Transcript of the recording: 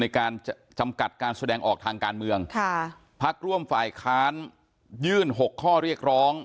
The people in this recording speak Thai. การจำกัดการแสดงออกทางการเมืองค่ะพักร่วมฝ่ายค้านยื่น๖ข้อเรียกร้อง